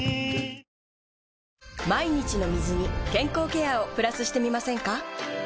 毎日の水に健康ケアをプラスしてみませんか？